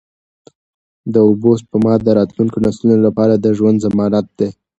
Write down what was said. د اوبو سپما د راتلونکو نسلونو لپاره د ژوند ضمانت دی.